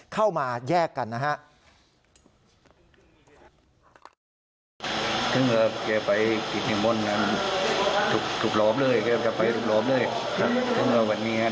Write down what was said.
กลุบหลวงเร็วก็จะไปกลุบหลวงเร็ว